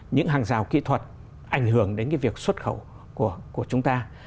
những hàng rào kỹ thuật ảnh hưởng đến việc xuất khẩu của chúng ta